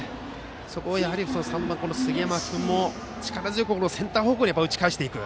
そこを３番の杉山君も力強くセンター方向に打ち返していく。